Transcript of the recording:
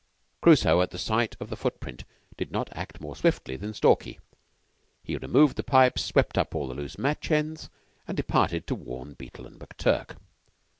Crusoe, at sight of the footprint, did not act more swiftly than Stalky. He removed the pipes, swept up all loose match ends, and departed to warn Beetle and McTurk.